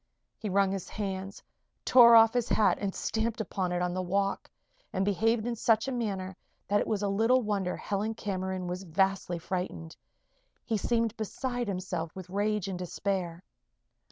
He wrung his hands, tore off his hat and stamped upon it on the walk, and behaved in such a manner that it was little wonder Helen Cameron was vastly frightened. He seemed beside himself with rage and despair.